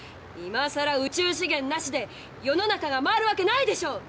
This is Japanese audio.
今さら宇宙資源なしで世の中が回るわけないでしょ！